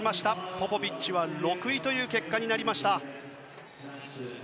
ポポビッチは６位という結果になりました。